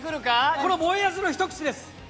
このもえあずの一口です。